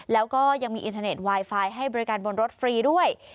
แล้วก็ยังมีอินเทอร์เน็ตไวไฟให้บริการบนรถฟรีด้วย